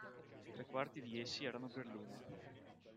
Tre quarti di essi erano berline.